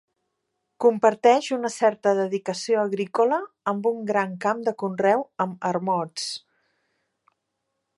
Comparteix una certa dedicació agrícola, amb un gran camp de conreu, amb ermots.